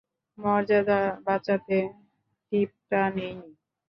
মর্যাদা বাঁচাতে টিপটা নেইনি।